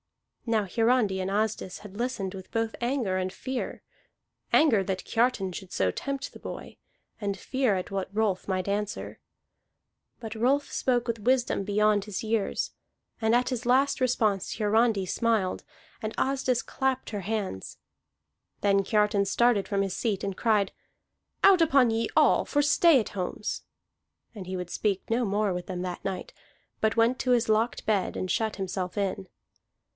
Now Hiarandi and Asdis had listened with both anger and fear, anger that Kiartan should so tempt the boy, and fear at what Rolf might answer. But Rolf spoke with wisdom beyond his years; and at his last response Hiarandi smiled, and Asdis clapped her hands. Then Kiartan started from his seat and cried: "Out upon ye all for stay at homes!" And he would speak no more with them that night, but went to his locked bed and shut himself in.